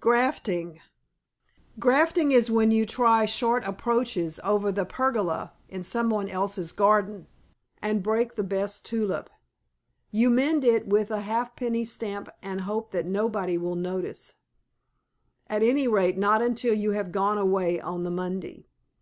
GRAFTING Grafting is when you try short approaches over the pergola in somebody else's garden, and break the best tulip. You mend it with a ha' penny stamp and hope that nobody will notice; at any rate not until you have gone away on the Monday.